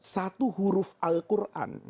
satu huruf al quran